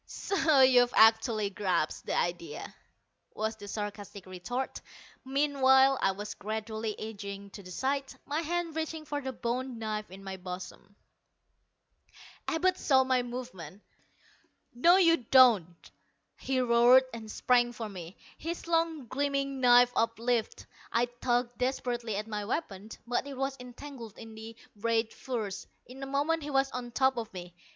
"So you've actually grasped the idea!" was the sarcastic retort. Meanwhile I was gradually edging to the side, my hand reaching for the bone knife in my bosom. Abud saw my movement. "No, you don't!" he roared, and sprang for me, his long gleaming knife uplifted. I tugged desperately at my weapon, but it was entangled in the ragged furs. In a moment he was on top of me.